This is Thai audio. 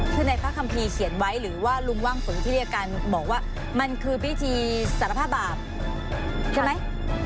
ซึ่งในพระคัมภีร์เขียนไว้หรือว่าลุงว่างฝนที่เรียกกันบอกว่ามันคือพิธีสารภาพบาปใช่ไหม